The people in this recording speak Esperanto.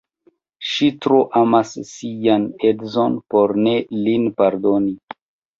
Ŝi tro amas sian edzon por ne lin pardoni.